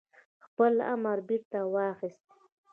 خپل امر بيرته واخيست